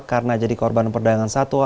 karena jadi korban perdagangan satwa